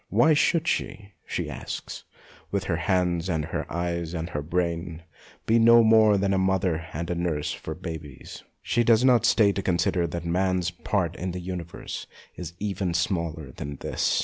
Why should she, she asks, with her hands and her eyes and her brain, be no more than a mother and a nurse of babies? She does not stay to consider that man's part in the universe is even smaller than this.